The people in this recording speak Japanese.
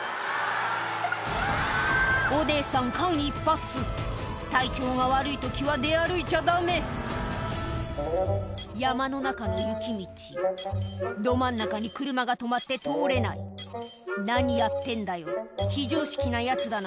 お姉さん間一髪体調が悪い時は出歩いちゃダメ山の中の雪道ど真ん中に車が止まって通れない「何やってんだよ非常識なヤツだな」